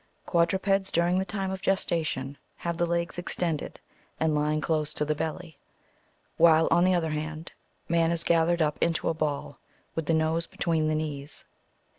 Quadrupeds during the time of ges tation have the legs extended, and lying close to the belly ; while, on the other hand, man is gathered up into a ball, with the nose between the knees.